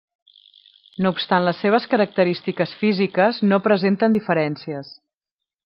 No obstant les seves característiques físiques no presenten diferències.